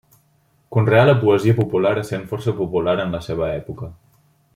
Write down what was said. Conreà la poesia popular essent força popular en la seva època.